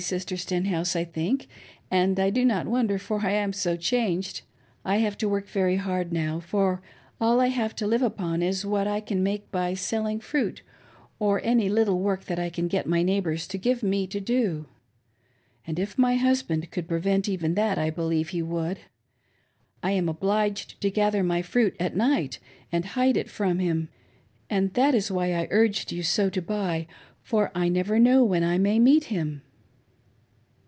Sister Sten house, 1 think, and I do not wonder for I am so changed. I have to work very hard now, for all I have to live upon is what I can make by selling fruit, or any little work that I can get my neighbors to give me to do ; and if my husband could pre vent even that I believe he would. I am obliged to gather my fruit at night and hide it from him, and that is why I urged you so to buy, for I never know when I may meet him."